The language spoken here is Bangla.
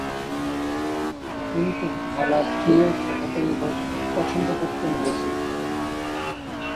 কিন্তু বল আটকিয়ে খেলাতেই পছন্দ করতেন বেশি।